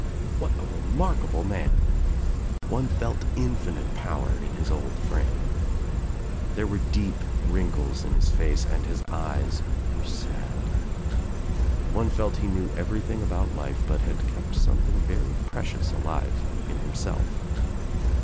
What a remarkable man I One felt infinite power in his old frame. There were deep wrinkles in his face and his eyes were sad. One felt he knew everything about life but had kept some thing very precious alive in himself.